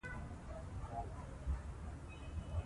افغانستان د اوښ په برخه کې نړیوال شهرت لري.